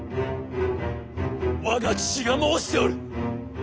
我が父が申しておる！